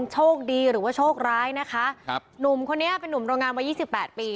โชคดีหรือว่าโชคร้ายนะคะครับหนุ่มคนนี้เป็นนุ่มโรงงานวัยยี่สิบแปดปี